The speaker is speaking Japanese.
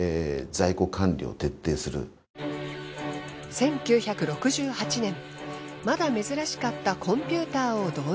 １９６８年まだ珍しかったコンピューターを導入。